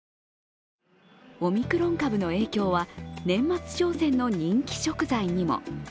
オミクロン株の影響は年末商戦の人気食材にも。